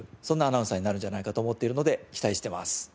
そんなアナウンサーになるんじゃないかと思っているので期待してます。